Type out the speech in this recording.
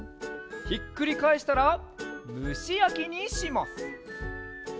ひっくりかえしたらむしやきにします。